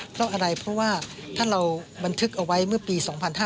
เพราะว่าถ้าเราบันทึกเอาไว้เมื่อปี๒๕๐๐